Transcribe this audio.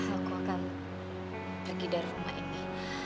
aku akan pergi dari rumah ini